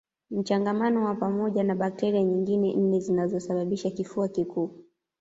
Mchangamano wa pamoja na bakteria nyingine nne zinazosababisha kifua kikuu